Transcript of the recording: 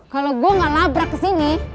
kalo gue gak labrak kesini